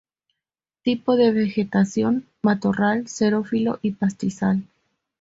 Tipo de vegetación, matorral xerófilo y pastizal.